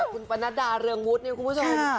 คุณปนัดดาเรืองวุฒิเนี่ยคุณผู้ชม